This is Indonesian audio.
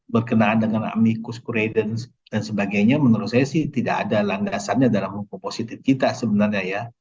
berkenaan dengan amicus curai dan sebagainya menurut saya sih tidak ada landasannya dalam hukum positif kita sebenarnya ya